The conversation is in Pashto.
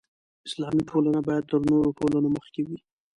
اسلامي ټولنه باید تر نورو ټولنو مخکې وي.